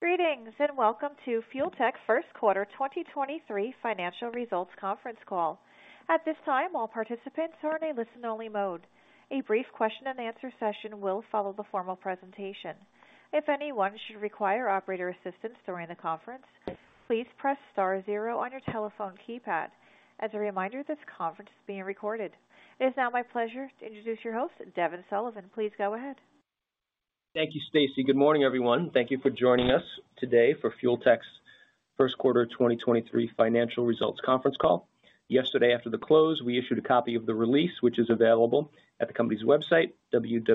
Greetings, welcome to Fuel Tech Q1 2023 financial results conference call. At this time, all participants are in a listen-only mode. A brief question and answer session will follow the formal presentation. If anyone should require operator assistance during the conference, please press star zero on your telephone keypad. As a reminder, this conference is being recorded. It is now my pleasure to introduce your host, Devin Sullivan. Please go ahead. Thank you, Stacy. Good morning, everyone. Thank you for joining us today for Fuel Tech's Q1 2023 financial results conference call. Yesterday, after the close, we issued a copy of the release, which is available at the company's website www.ftek.com.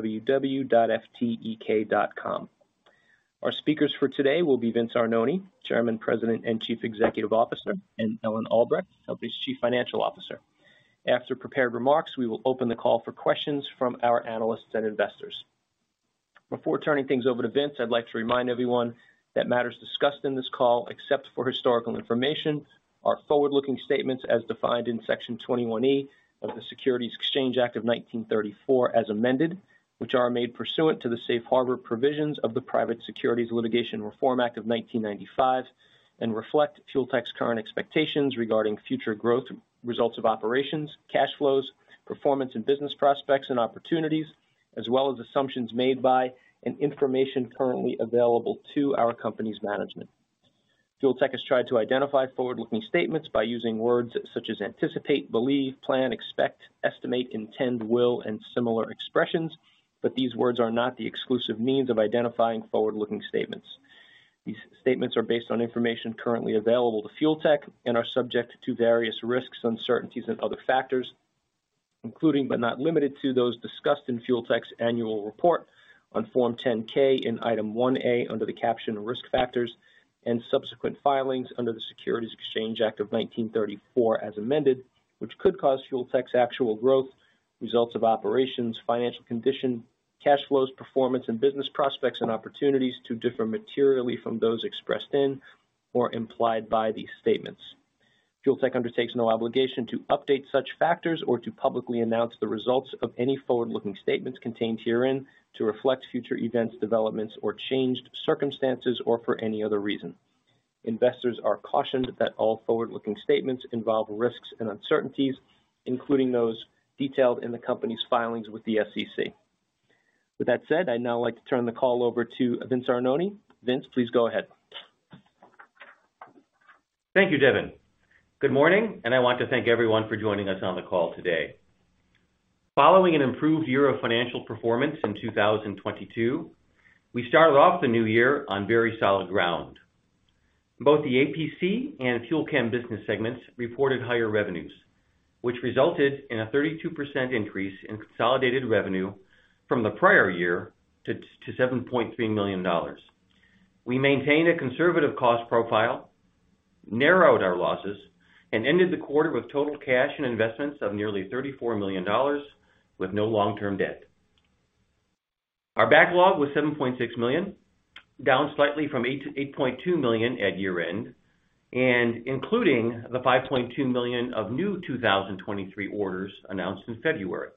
Our speakers for today will be Vince Arnone, Chairman, President, and Chief Executive Officer, and Ellen Albrecht, the company's Chief Financial Officer. After prepared remarks, we will open the call for questions from our analysts and investors. Before turning things over to Vince, I'd like to remind everyone that matters discussed in this call, except for historical information, are forward-looking statements as defined in Section 21E of the Securities Exchange Act of 1934, as amended, which are made pursuant to the safe harbor provisions of the Private Securities Litigation Reform Act of 1995 and reflect Fuel Tech's current expectations regarding future growth, results of operations, cash flows, performance, and business prospects and opportunities, as well as assumptions made by and information currently available to our company's management. Fuel Tech has tried to identify forward-looking statements by using words such as anticipate, believe, plan, expect, estimate, intend, will, and similar expressions, but these words are not the exclusive means of identifying forward-looking statements. These statements are based on information currently available to Fuel Tech and are subject to various risks, uncertainties, and other factors, including, but not limited to, those discussed in Fuel Tech's annual report on Form 10-K in Item 1A under the caption Risk Factors and subsequent filings under the Securities Exchange Act of 1934, as amended, which could cause Fuel Tech's actual growth, results of operations, financial condition, cash flows, performance, and business prospects and opportunities to differ materially from those expressed in or implied by these statements. Fuel Tech undertakes no obligation to update such factors or to publicly announce the results of any forward-looking statements contained herein to reflect future events, developments, or changed circumstances or for any other reason. Investors are cautioned that all forward-looking statements involve risks and uncertainties, including those detailed in the company's filings with the SEC. With that said, I'd now like to turn the call over to Vince Arnone. Vince, please go ahead. Thank you, Devin. Good morning, I want to thank everyone for joining us on the call today. Following an improved year of financial performance in 2022, we started off the new year on very solid ground. Both the APC and FUEL CHEM business segments reported higher revenues, which resulted in a 32% increase in consolidated revenue from the prior year to $7.3 million. We maintained a conservative cost profile, narrowed our losses, ended the quarter with total cash and investments of nearly $34 million, with no long-term debt. Our backlog was $7.6 million, down slightly from $8.2 million at year-end, including the $5.2 million of new 2023 orders announced in February.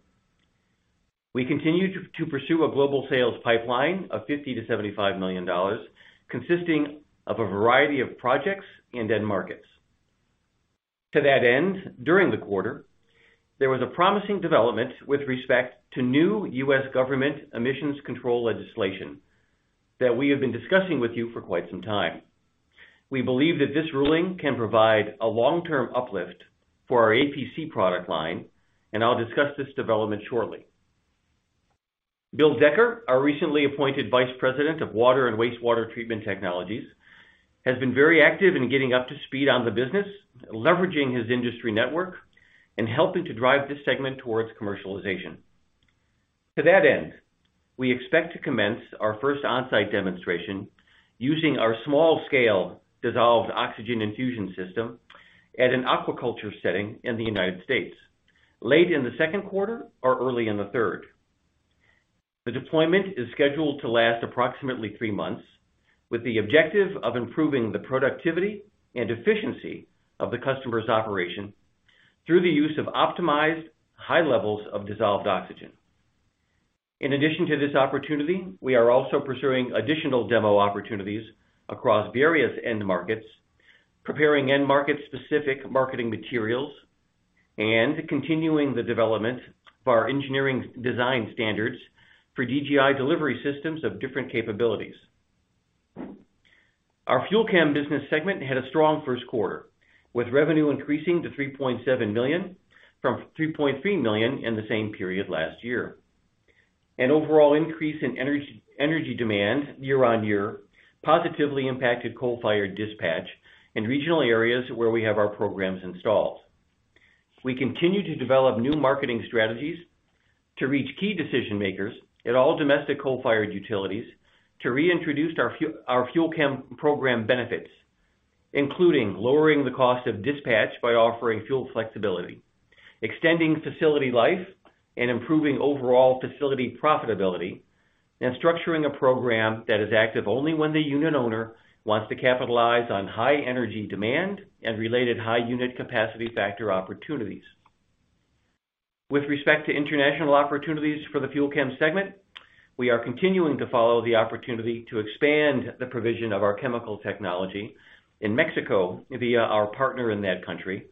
We continue to pursue a global sales pipeline of $50 million-$75 million, consisting of a variety of projects and end markets. To that end, during the quarter, there was a promising development with respect to new U.S. government emissions control legislation that we have been discussing with you for quite some time. We believe that this ruling can provide a long-term uplift for our APC product line, and I'll discuss this development shortly. Bill Decker, our recently appointed Vice President of Water and Wastewater Treatment Technologies, has been very active in getting up to speed on the business, leveraging his industry network and helping to drive this segment towards commercialization. To that end, we expect to commence our first on-site demonstration using our small-scale Dissolved Gas Infusion system at an aquaculture setting in the United States late in the second quarter or early in the third. The deployment is scheduled to last approximately three months, with the objective of improving the productivity and efficiency of the customer's operation through the use of optimized high levels of dissolved oxygen. In addition to this opportunity, we are also pursuing additional demo opportunities across various end markets, preparing end-market-specific marketing materials, and continuing the development of our engineering design standards for DGI delivery systems of different capabilities. Our FUEL CHEM business segment had a strong Q1, with revenue increasing to $3.7 million from $3.3 million in the same period last year. An overall increase in energy demand year-on-year positively impacted coal-fired dispatch in regional areas where we have our programs installed. We continue to develop new marketing strategies to reach key decision makers at all domestic coal-fired utilities to reintroduce our FUEL CHEM program benefits, including lowering the cost of dispatch by offering fuel flexibility, extending facility life, and improving overall facility profitability, and structuring a program that is active only when the unit owner wants to capitalize on high energy demand and related high unit capacity factor opportunities. With respect to international opportunities for the FUEL CHEM segment, we are continuing to follow the opportunity to expand the provision of our chemical technology in Mexico via our partner in that country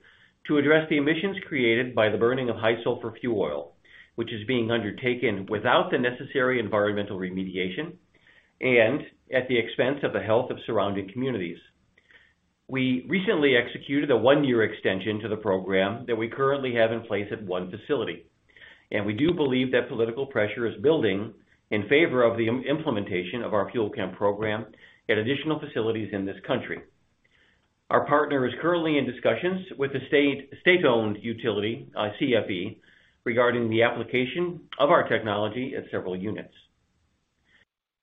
to address the emissions created by the burning of high-sulfur fuel oil, which is being undertaken without the necessary environmental remediation and at the expense of the health of surrounding communities. We recently executed a one-year extension to the program that we currently have in place at one facility. We do believe that political pressure is building in favor of the implementation of our FUEL CHEM program at additional facilities in this country. Our partner is currently in discussions with the state-owned utility, CFE, regarding the application of our technology at several units.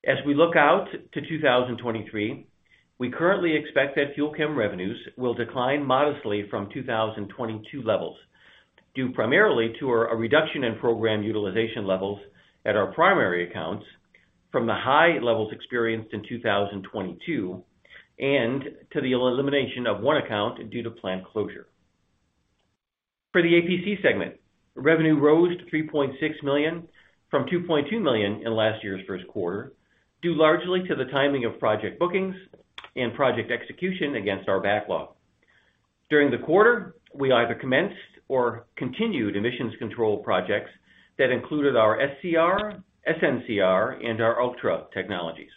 As we look out to 2023, we currently expect that FUEL CHEM revenues will decline modestly from 2022 levels, due primarily to a reduction in program utilization levels at our primary accounts from the high levels experienced in 2022, and to the elimination of one account due to plant closure. For the APC segment, revenue rose to $3.6 million from $2.2 million in last year's Q1, due largely to the timing of project bookings and project execution against our backlog. During the quarter, we either commenced or continued emissions control projects that included our SCR, SNCR, and ULTRA technologies.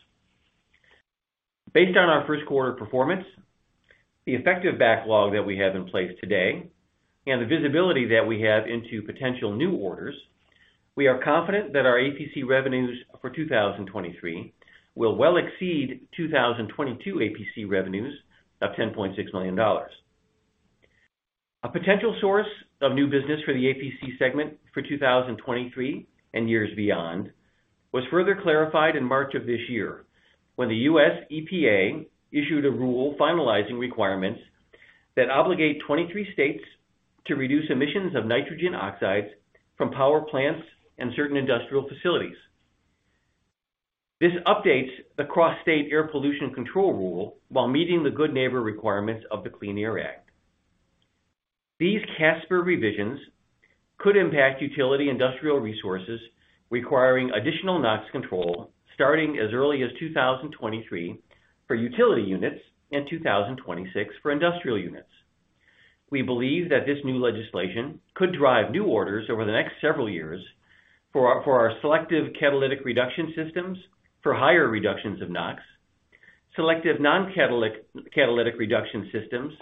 Based on our Q1 performance, the effective backlog that we have in place today, and the visibility that we have into potential new orders, we are confident that our APC revenues for 2023 will well exceed 2022 APC revenues of $10.6 million. A potential source of new business for the APC segment for 2023 and years beyond was further clarified in March of this year, when the US EPA issued a rule finalizing requirements that obligate 23 states to reduce emissions of nitrogen oxides from power plants and certain industrial facilities. This updates the Cross-State Air Pollution Rule while meeting the Good Neighbor requirements of the Clean Air Act. These CSAPR revisions could impact utility industrial resources requiring additional NOx control starting as early as 2023 for utility units and 2026 for industrial units. We believe that this new legislation could drive new orders over the next several years for our selective catalytic reduction systems for higher reductions of NOx, selective non-catalytic, catalytic reduction systems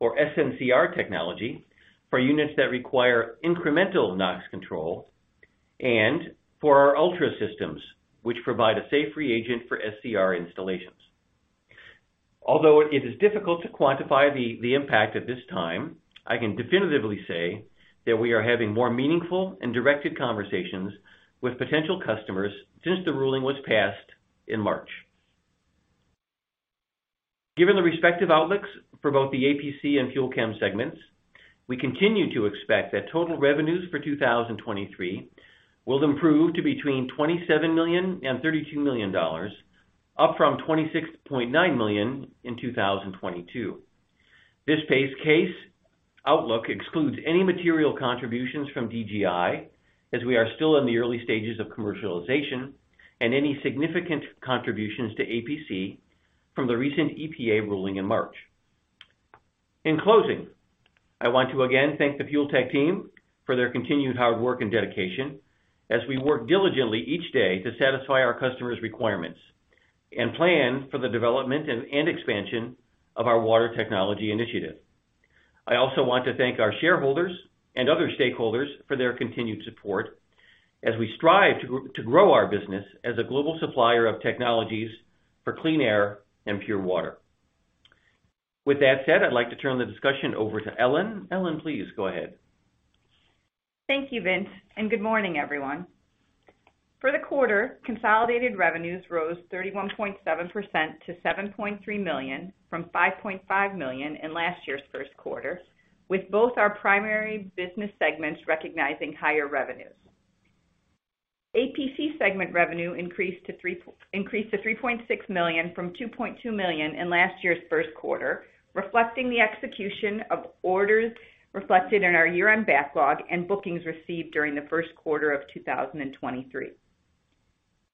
or SNCR technology for units that require incremental NOx control, and for our ULTRA systems, which provide a safe reagent for SCR installations. Although it is difficult to quantify the impact at this time, I can definitively say that we are having more meaningful and directed conversations with potential customers since the ruling was passed in March. Given the respective outlooks for both the APC and FUEL CHEM segments, we continue to expect that total revenues for 2023 will improve to between $27 million and $32 million, up from $26.9 million in 2022. This base case outlook excludes any material contributions from DGI, as we are still in the early stages of commercialization and any significant contributions to APC from the recent EPA ruling in March. In closing, I want to again thank the Fuel Tech team for their continued hard work and dedication as we work each day diligently to satisfy our customers' requirements and plan for the development and expansion of our water technology initiative. I also want to thank our shareholders and other stakeholders for their continued support as we strive to grow our business as a global supplier of technologies for clean air and pure water. With that said, I'd like to turn the discussion over to Ellen. Ellen, please go ahead. Thank you, Vince. Good morning, everyone. For the quarter, consolidated revenues rose 31.7% to $7.3 million from $5.5 million in last year's Q1, with both our primary business segments recognizing higher revenues. APC segment revenue increased to $3.6 million from $2.2 million in last year's Q1, reflecting the execution of orders reflected in our year-end backlog and bookings received during Q1 of 2023.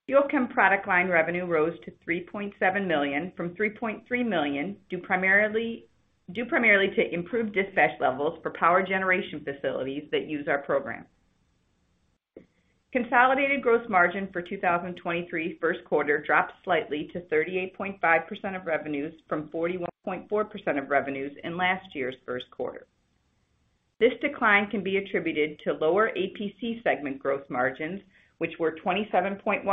FUEL CHEM product line revenue rose to $3.7 million from $3.3 million, due primarily to improved dispatch levels for power generation facilities that use our program. Consolidated gross margin for 2023 Q1 dropped slightly to 38.5% of revenues from 41.4% of revenues in last year's Q1. This decline can be attributed to lower APC segment growth margins, which were 27.1%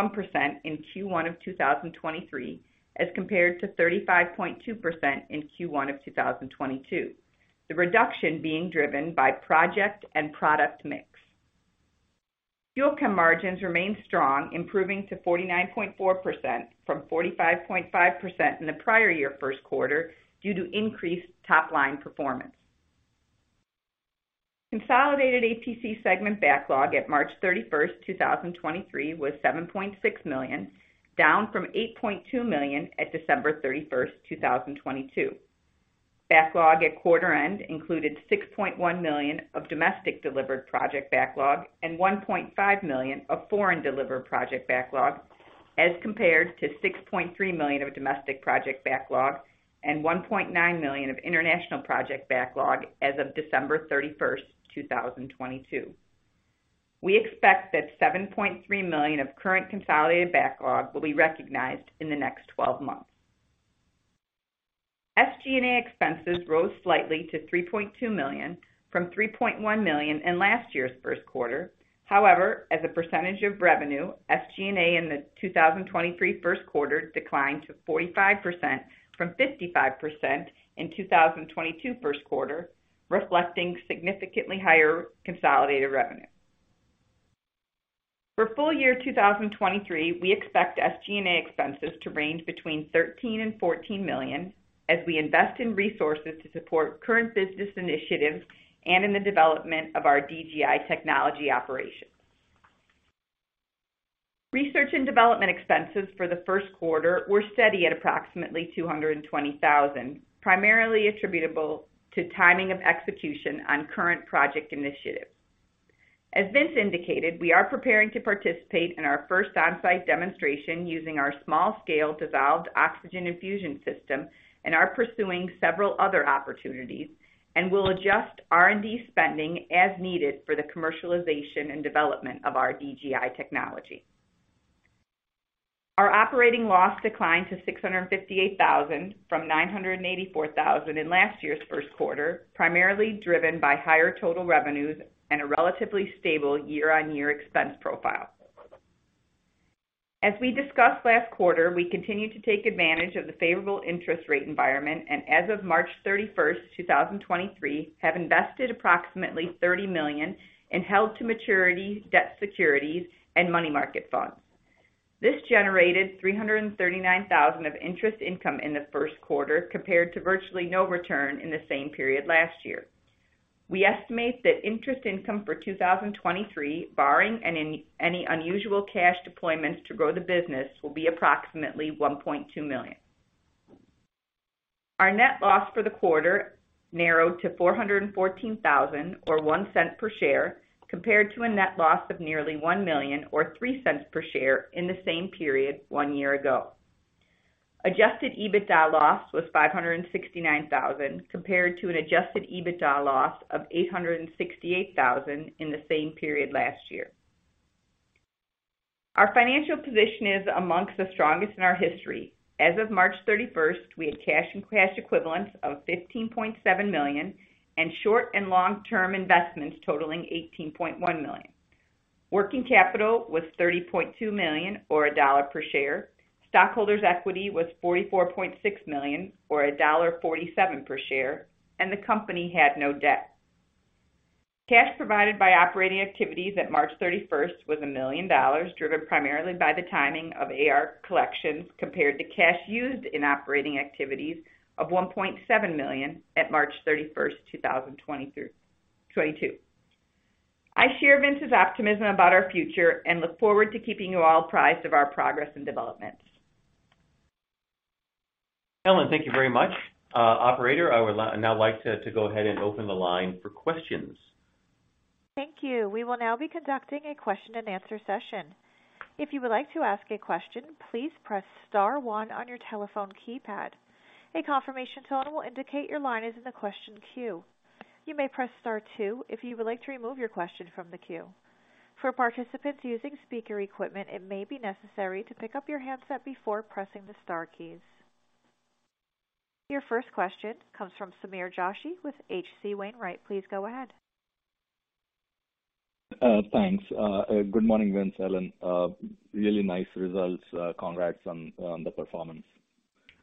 in Q1 of 2023 as compared to 35.2% in Q1 of 2022. The reduction is being driven by project and product mix. FUEL CHEM margins remain strong, improving to 49.4% from 45.5% in the prior year Q1 due to increased top-line performance. Consolidated APC segment backlog at March 31, 2023 was $7.6 million, down from $8.2 million at December 31, 2022. Backlog at quarter end included $6.1 million of domestic delivered project backlog and $1.5 million of foreign delivered project backlog, as compared to $6.3 million of domestic project backlog and $1.9 million of international project backlog as of December 31, 2022. We expect that $7.3 million of the current consolidated backlog will be recognized in the next 12 months. SG&A expenses rose slightly to $3.2 million from $3.1 million in last year's Q1. However, as a percentage of revenue, SG&A in the 2023 Q1 declined to 45% from 55% in 2022 Q1, reflecting significantly higher consolidated revenue. For the full year 2023, we expect SG&A expenses to range between $13 million and $14 million as we invest in resources to support current business initiatives and in the development of our DGI technology operations. Research and development expenses for Q1 were steady at approximately $220,000, primarily attributable to timing of execution on current project initiatives. As Vince indicated, we are preparing to participate in our first on-site demonstration using our small-scale Dissolved Gas Infusion system and are pursuing several other opportunities and will adjust R&D spending as needed for the commercialization and development of our DGI technology. Our operating loss declined to $658,000 from $984,000 in last year's Q1, primarily driven by higher total revenues and a relatively stable year-on-year expense profile. As we discussed last quarter, we continue to take advantage of the favorable interest rate environment and as of March 31, 2023, have invested approximately $30 million and held to maturity debt securities and money market funds. This generated $339,000 of interest income in Q1, compared to virtually no return in the same period last year. We estimate that interest income for 2023, barring any unusual cash deployments to grow the business, will be approximately $1.2 million. Our net loss for the quarter narrowed to $414,000 or $0.01 per share, compared to a net loss of nearly $1 million or $0.03 per share in the same period one year ago. Adjusted EBITDA loss was $569,000, compared to an adjusted EBITDA loss of $868,000 in the same period last year. Our financial position is amongst the strongest in our history. As of March 31st, we had cash and cash equivalents of $15.7 million and short and long-term investments totaling $18.1 million. Working capital was $30.2 million or $1 per share. Stockholders' equity was $44.6 million or $1.47 per share, and the company had no debt. Cash provided by operating activities at March 31st was $1 million, driven primarily by the timing of AR collections, compared to cash used in operating activities of $1.7 million at March 31st, 2022. I share Vince's optimism about our future and look forward to keeping you all apprised of our progress and developments. Ellen, thank you very much. Operator, I would now like to go ahead and open the line for questions. Thank you. We will now be conducting a Q&A session. If you would like to ask a question, please press star one on your telephone keypad. A confirmation tone will indicate your line is in the question queue. You may press star two if you would like to remove your question from the queue. For participants using speaker equipment, it may be necessary to pick up your handset before pressing the star keys. Your first question comes from Sameer Joshi with H.C. Wainwright. Please go ahead. Thanks. Good morning, Vince, Ellen. Really nice results. Congrats on the performance.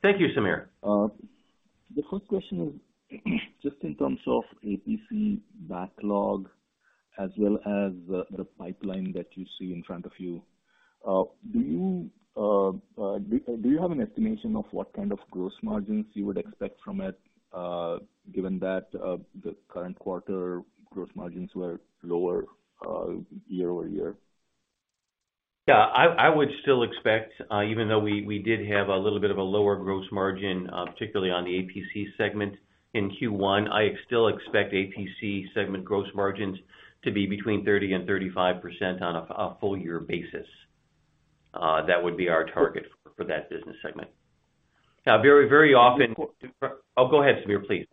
Thank you, Sameer. The first question is just in terms of APC backlog as well as the pipeline that you see in front of you. Do you have an estimation of what kind of gross margins you would expect from it, given that the current quarter gross margins were lower year-over-year? Yeah, I would still expect, even though we did have a little bit of a lower gross margin, particularly on the APC segment in Q1, I still expect APC segment gross margins to be between 30% and 35% on a full year basis. That would be our target for that business segment. Now very often, Oh, go ahead, Sameer, please.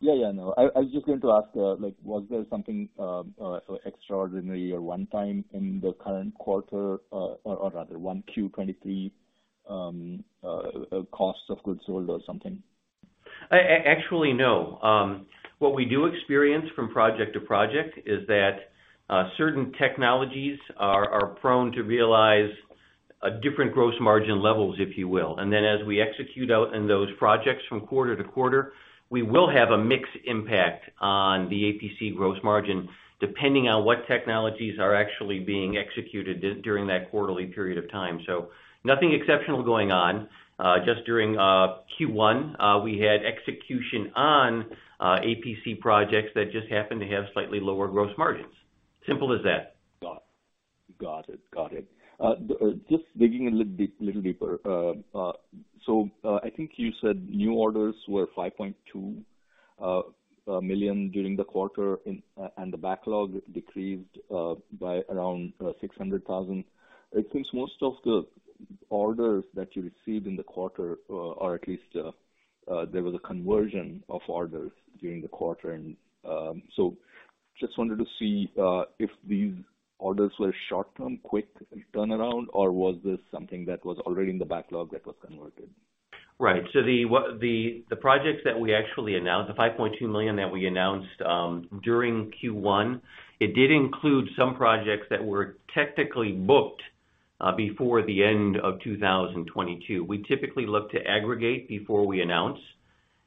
Yeah, yeah. No, I was just going to ask, like was there something extraordinary or one time in the current quarter, or rather 1Q 2023, costs of goods sold or something? Actually, no. What we do experience from project to project is that certain technologies are prone to realize a different gross margin levels, if you will. Then as we execute out in those projects from quarter to quarter, we will have a mixed impact on the APC gross margin depending on what technologies are actually being executed during that quarterly period of time. Nothing exceptional going on. Just during Q1, we had execution on APC projects that just happened to have slightly lower gross margins. Simple as that. Got it. Got it. Got it. The, just digging a little bit deeper. I think you said new orders were $5.2 million during the quarter and the backlog decreased by around $600,000. I think most of the orders that you received in the quarter, or at least, there was a conversion of orders during the quarter. Just wanted to see if these orders were short-term, quick turnaround or was this something that was already in the backlog that was converted? Right. The projects that we actually announced, the $5.2 million that we announced during Q1, it did include some projects that were technically booked before the end of 2022. We typically look to aggregate before we announce.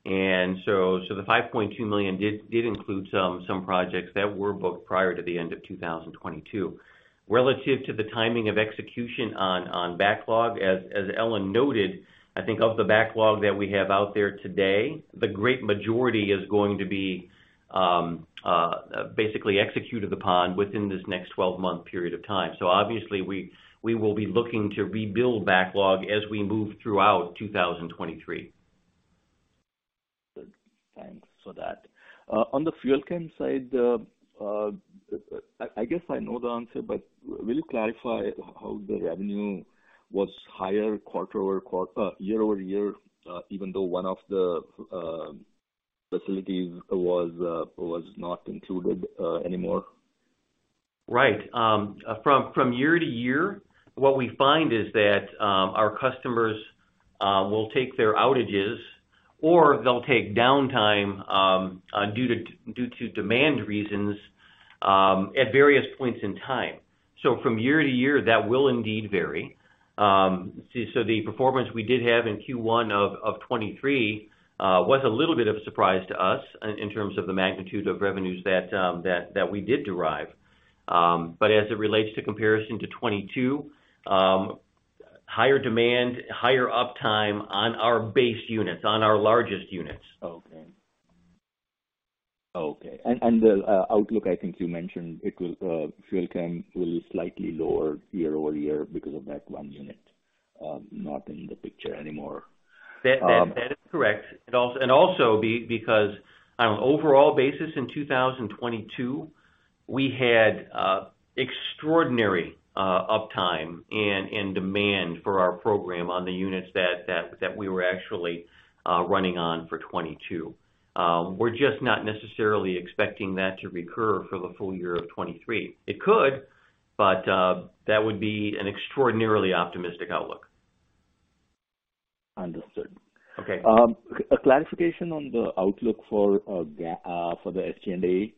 The $5.2 million did include some projects that were booked prior to the end of 2022. Relative to the timing of execution on backlog as Ellen noted, I think of the backlog that we have out there today, the great majority is going to be basically executed upon within this next 12-month period of time. Obviously we will be looking to rebuild backlog as we move throughout 2023. Good. Thanks for that. On the FUEL CHEM side, I guess I know the answer, but will you clarify how the revenue was higher quarter-over-quarter, year-over-year, even though one of the facilities was not included anymore? Right. From year to year, what we find is that our customers will take their outages or they'll take downtime, due to demand reasons, at various points in time. From year-to-year, that will indeed vary. The performance we did have in Q1 of 2023 was a little bit of a surprise to us in terms of the magnitude of revenues that we did derive. As it relates to comparison to 2022, higher demand, higher uptime on our base units, and on our largest units. Okay. Okay. The outlook, I think you mentioned it will FUEL CHEM will be slightly lower year-over-year because of that one unit, not in the picture anymore. That is correct. On an overall basis in 2022, we had extraordinary uptime and demand for our program on the units that we were actually running on for 22. We're just not necessarily expecting that to recur for the full year of 23. It could, but that would be an extraordinarily optimistic outlook. Understood. Okay. A clarification on the outlook for the SG&A.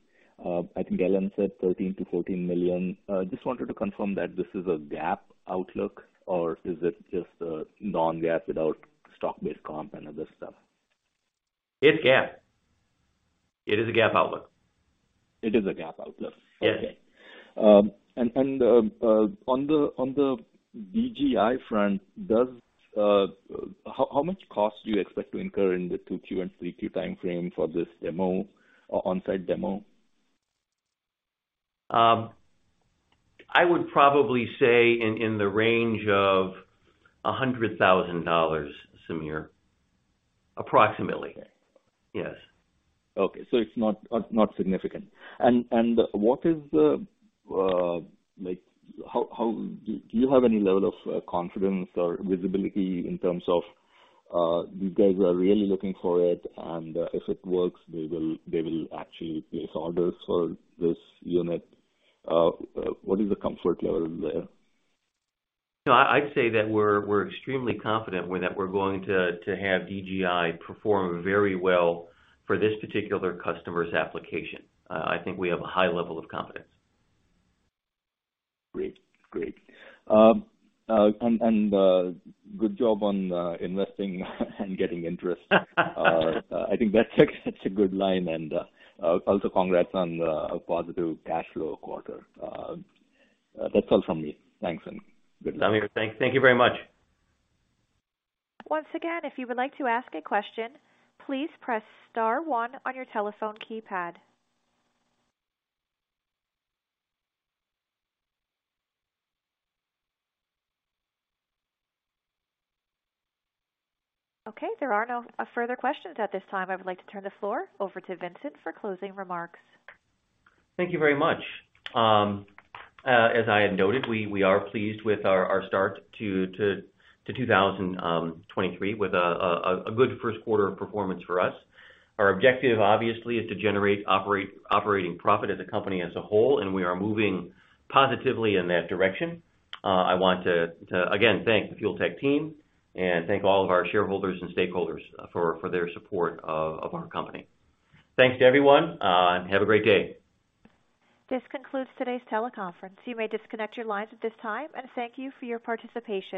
I think Ellen said $13 million-$14 million. Just wanted to confirm that this is a GAAP outlook or is it just a non-GAAP without stock-based comp and other stuff? It's GAAP. It is a GAAP outlook. It is a GAAP outlook. Yes. Okay. On the DGI front, how much cost do you expect to incur in the Q2 and Q3 timeframe for this demo or on-site demo? I would probably say in the range of $100,000, Sameer. Approximately. Okay. Yes. Okay. It's not significant. How do you have any level of confidence or visibility in terms of, you guys are really looking for it, and, if it works, they will actually place orders for this unit? What is the comfort level there? I'd say that we're extremely confident that we're going to have DGI perform very well for this particular customer's application. I think we have a high level of confidence. Great. Great. Good job on investing and getting interest. I think that's such a good line. Also congrats on a positive cash flow quarter. That's all from me. Thanks, and good luck. Sameer, thank you very much. Once again, if you would like to ask a question, please press star one on your telephone keypad. Okay, there are no further questions at this time. I would like to turn the floor over to Vincent for closing remarks. Thank you very much. As I had noted, we are pleased with our start to 2023, with a good Q1 of performance for us. Our objective obviously is to generate operating profit as a company as a whole, and we are moving positively in that direction. I want to again, thank the Fuel Tech team and thank all of our shareholders and stakeholders for their support of our company. Thanks to everyone, and have a great day. This concludes today's teleconference. You may disconnect your lines at this time, and thank you for your participation.